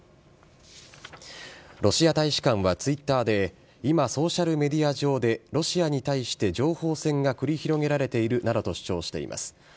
ロシア大使館はツイッターで、今、ソーシャルメディア上で、ロシアに対して情報戦が繰り広げられているなどと主張しています。